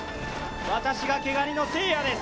私が毛ガニのせいやです。